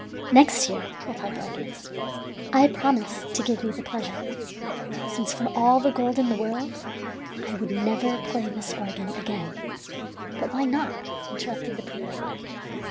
"Next year," replied the organist, "I promise to give you the pleasure; since, for all the gold in the world, I would never play this organ again." "But why not?" interrupted the prelate.